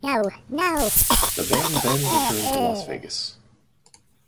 The band then returned to Las Vegas.